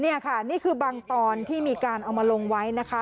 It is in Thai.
นี่ค่ะนี่คือบางตอนที่มีการเอามาลงไว้นะคะ